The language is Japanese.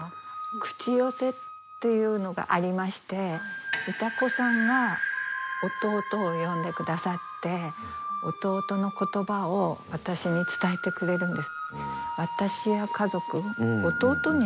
口寄せっていうのがありましてイタコさんが弟を呼んでくださって弟の言葉を私に伝えてくれるんです。